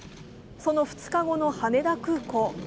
その２日後の羽田空港。